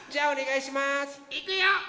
いくよ！